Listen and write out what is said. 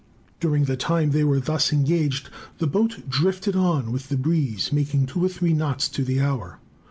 During the time they were thus engaged, the boat drifted on with the breeze, making two or three knots to the hour.